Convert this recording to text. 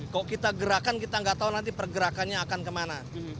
kalau kita gerakan kita nggak tahu nanti pergerakannya akan kemana